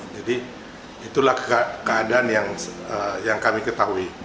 jadi itulah keadaan yang kami ketahui